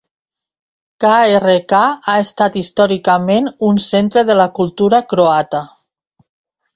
Krk ha estat històricament un centre de la cultura croata.